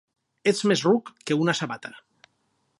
Ets més ruc que una sabata!